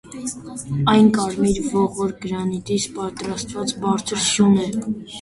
Այն կարմիր ողորկ գրանիտից պատրաստված բարձր սյուն է։